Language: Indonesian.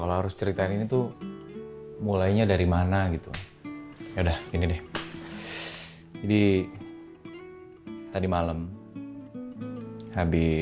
loh lama enak tuh